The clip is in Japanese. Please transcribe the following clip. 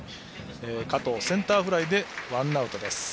加藤はセンターフライでワンアウト。